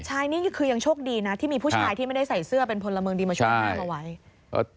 ใช่นี่คือยังโชคดีนะที่มีผู้ชายที่ไม่ได้ใส่เสื้อเป็นพลเมืองดีมาช่วยห้ามเอาไว้